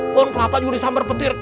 pohon kelapa juga disambar petir